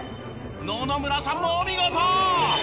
野々村さんもお見事！